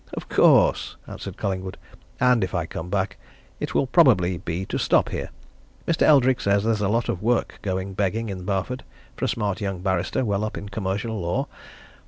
"Of course!" answered Collingwood. "And if I come back, it will probably be to stop here. Mr. Eldrick says there's a lot of work going begging in Barford for a smart young barrister well up in commercial law.